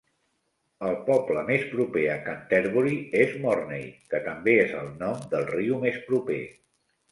El poble més proper a Canterbury és Morney, que també és el nom del riu més proper.